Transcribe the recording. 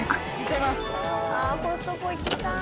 「ああコストコ行きたい」